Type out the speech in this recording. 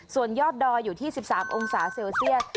ส่วนยอดดอยอยู่ที่๑๓องศาเซลเซียส